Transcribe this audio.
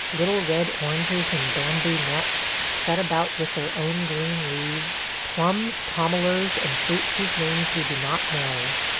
. little red oranges in bamboo nets, set about with their own green leaves; plums, pomaloes, and fruits whose names we do not know.